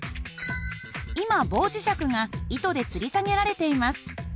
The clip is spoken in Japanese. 今棒磁石が糸でつり下げられています。